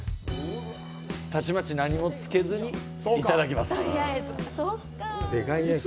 たちまち、何もつけずにいただきます。